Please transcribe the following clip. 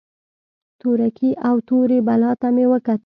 تورکي او تورې بلا ته مې وکتل.